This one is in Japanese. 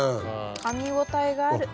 かみ応えがある。